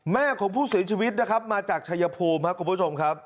แม่ของผู้เสียชีวิตนะครับมาจากชายภูมิครับคุณผู้ชมครับ